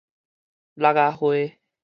橐仔花